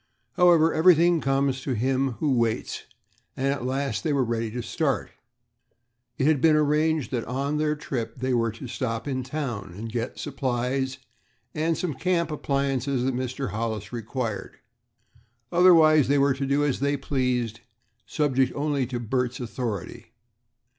However, everything comes to him who waits, and at last they were ready to start. It had been arranged that on their trip they were to stop in town, and get supplies and some camp appliances that Mr. Hollis required. Otherwise they were to do as they pleased, subject only to Bert's authority.